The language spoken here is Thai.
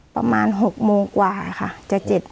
ประมาณ๖โมงกว่าค่ะ